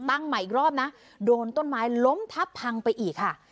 ตั้งใหม่อีกรอบนะโดนต้นไม้ล้มทับพังไปอีกค่ะ